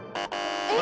え！